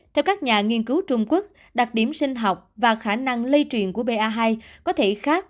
theo các nhà nghiên cứu trung quốc đặc điểm sinh học và khả năng lây truyền của ba có thể khác